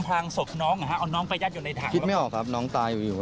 แจ๊บต้องทำคนเดียวไหมแจ๊บต้องทำคนเดียวไหมแจ๊บต้องทำคนเดียวไหม